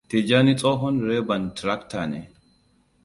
Tijjani tsohon direban tirakta ne.